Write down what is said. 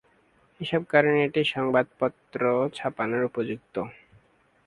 এসব কারণে এটি সংবাদ পত্র ছাপানোর উপযুক্ত।